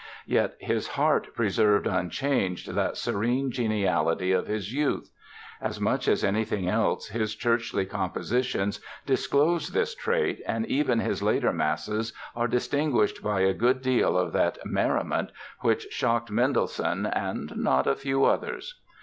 Yet his heart preserved unchanged that serene geniality of his youth. As much as anything else his churchly compositions disclose this trait, and even his later masses are distinguished by a good deal of that "merriment" which shocked Mendelssohn and not a few others.